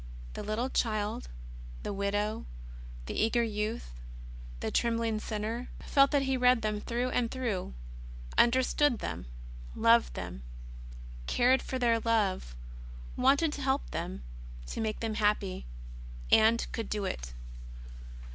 The little child, the widow, the eager youth, the trembling sinner, felt that He read them through and through, understood them, loved them, cared for their love, wanted to help them, to make them happy — and could do it.